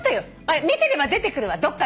見てれば出てくるわどっかでね。